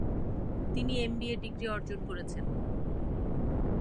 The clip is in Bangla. তিনি এমবিএ ডিগ্রি অর্জন করেছেন।